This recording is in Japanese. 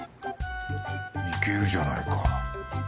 いけるじゃないか。